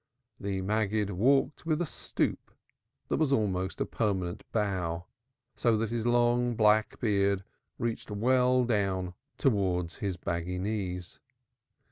The Maggid walked with a stoop that was almost a permanent bow, so that his long black beard reached well towards his baggy knees.